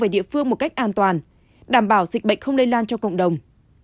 địa phương một cách an toàn đảm bảo dịch bệnh không lây lan cho cộng đồng